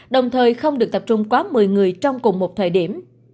đồng thời không được tập trung quá một mươi người trong cùng một thời điểm